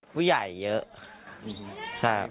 ผู้ใหญ่เยอะใช่ครับ